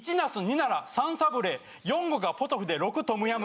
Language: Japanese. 奈良３サブレ」「４５がポトフで６トムヤム」